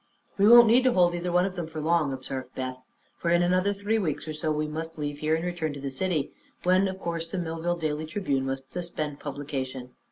"We won't need to hold either of them for long," observed Beth; "for in another three weeks or so we must leave here and return to the city, when of course the Millville Daily Tribune must suspend publication."